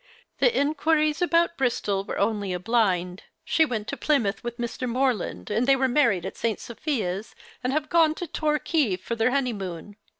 " The inquiries about Bristol were only a blind. She went to Plymouth with ^h. jMorland, and they were married at St. Sophia's, and have gone to Torquay for their honevmoon.